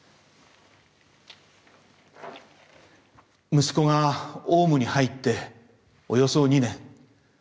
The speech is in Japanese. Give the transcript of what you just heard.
息子がオウムに入っておよそ２年。